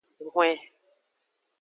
Hwen.